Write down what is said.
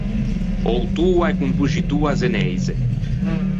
Autoa e compoxitoa zeneise.